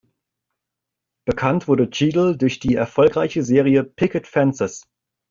Bekannt wurde Cheadle durch die erfolgreiche Serie "Picket Fences".